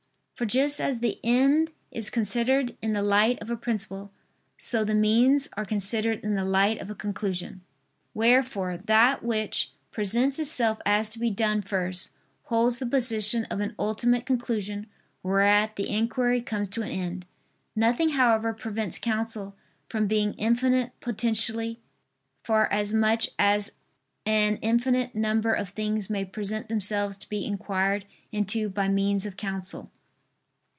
For just as the end is considered in the light of a principle, so the means are considered in the light of a conclusion. Wherefore that which presents itself as to be done first, holds the position of an ultimate conclusion whereat the inquiry comes to an end. Nothing however prevents counsel from being infinite potentially, for as much as an infinite number of things may present themselves to be inquired into by means of counsel.